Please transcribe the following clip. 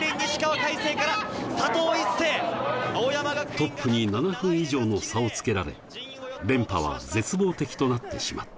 トップに７分以上の差をつけられ、連覇は絶望的となってしまった。